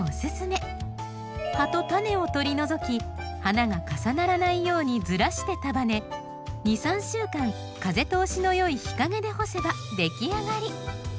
葉と種を取り除き花が重ならないようにずらして束ね２３週間風通しの良い日陰で干せば出来上がり。